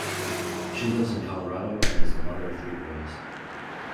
She lives in Colorado, and is the mother of three boys.